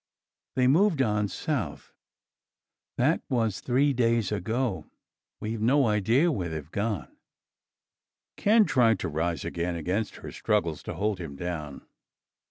They moved on south. That was 3 days ago. We've no idea where they've gone." Ken tried to rise again against her struggles to hold him down.